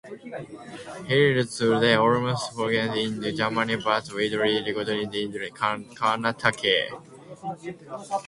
He is today almost forgotten in Germany, but widely recognised in Karnataka.